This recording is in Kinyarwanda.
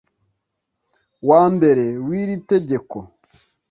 wa mbere w iri tegeko